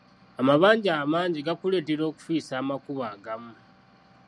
Amabanja amangi gakuleetera okufiisa amakubo agamu.